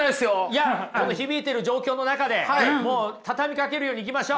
いやこの響いてる状況の中でもう畳みかけるように行きましょう。